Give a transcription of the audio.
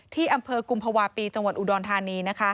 ที่อำเภอกุมภาวะปีจังหวัดอุดรธานี